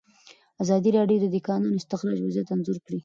ازادي راډیو د د کانونو استخراج وضعیت انځور کړی.